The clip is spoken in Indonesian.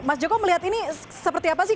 mas joko melihat ini seperti apa sih